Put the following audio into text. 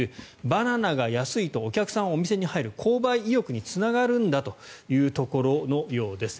バナナが安いとお客さんがお店に入る購買意欲につながるんだというところのようです。